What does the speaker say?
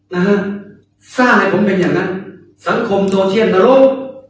นะคะซ่าให้ผมเป็นอย่างเงี้ยสังคมโทรเช่นตระรก